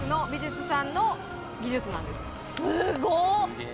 すごっ！